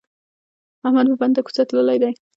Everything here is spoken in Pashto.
احمد په بنده کوڅه تللی دی.